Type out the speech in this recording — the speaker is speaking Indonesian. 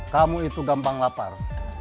kamu itu gampang lapar